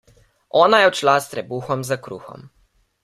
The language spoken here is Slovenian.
Ona je odšla s trebuhom za kruhom.